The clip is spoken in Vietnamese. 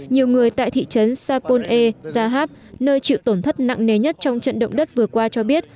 nhiều người tại thị trấn sapol e sahab nơi chịu tổn thất nặng nề nhất trong trận động đất vừa qua cho biết